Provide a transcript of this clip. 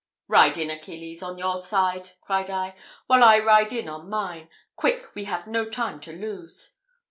"Ride in, Achilles, on your side," cried I, "while I ride in on mine. Quick, we have no time to lose."